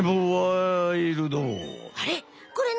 あれ？